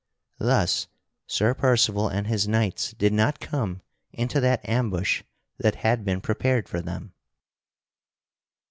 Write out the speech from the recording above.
Thus Sir Percival and his knights did not come into that ambush that had been prepared for them.